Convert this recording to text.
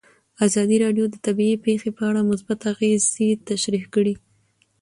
ازادي راډیو د طبیعي پېښې په اړه مثبت اغېزې تشریح کړي.